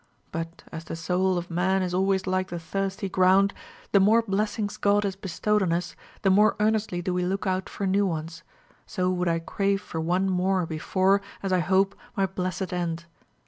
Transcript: But, as the soul of man is always like the thirsty ground, the more blessings God has bestowed on us, the more earnestly do we look out for new ones; so would I crave for one more before, as I hope, my blessed end.